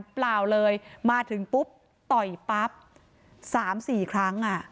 เปล่าเลยมาถึงปุ๊บต่อยปั๊บสามสี่ครั้งอ่ะ